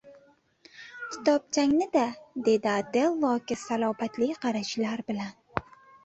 Kitobchangni-da, dedi Otello aka salobatli qarashlar bilan